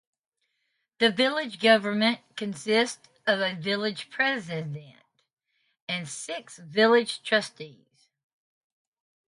The village government consists of a village president and six village trustees.